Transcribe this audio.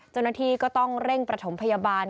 เจ้าหน้าที่ก็ต้องเร่งประถมพยาบาล